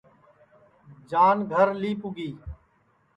جان گھر لی پُگی